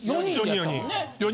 ４人４人。